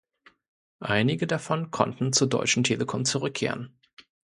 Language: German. Einige davon konnten zur Deutschen Telekom zurückkehren.